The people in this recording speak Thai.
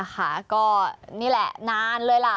ก็นี่แหละนานเลยล่ะ